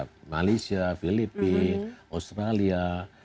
seperti malaysia filipina australia